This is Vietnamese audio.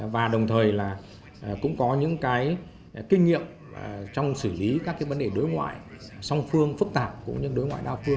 và đồng thời là cũng có những cái kinh nghiệm trong xử lý các cái vấn đề đối ngoại song phương phức tạp cũng như đối ngoại đa phương